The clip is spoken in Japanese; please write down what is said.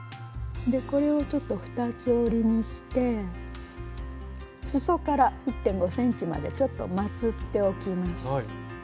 これをちょっと二つ折りにしてすそから１．５ｃｍまでちょっとまつっておきます。